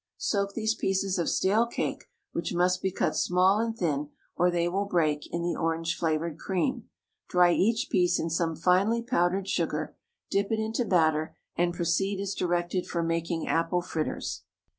Soak these pieces of stale cake, which must be cut small and thin, or they will break, in the orange flavoured cream, dry each piece in some finely powdered sugar, dip it into batter, and proceed as directed for making apple fritters.